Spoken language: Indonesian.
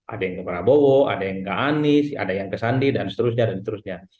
ada yang ke prabowo ada yang ke anies ada yang ke sandi dan seterusnya dan seterusnya